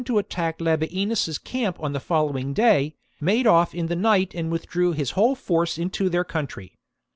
C. to attack Labienus's camp on the following day, made ofif in the night and withdrew his whole force into their country.